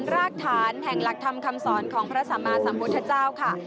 รากฐานแห่งหลักธรรมคำสอนของพระสัมมาสัมพุทธเจ้าค่ะ